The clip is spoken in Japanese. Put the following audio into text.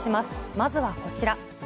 まずはこちら。